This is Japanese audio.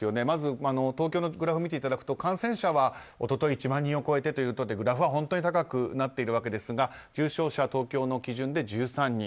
まず東京のグラフを見ていただくと感染者は一昨日１万人を超えてとグラフは本当に高くなっていますが重症者、東京の基準で１３人。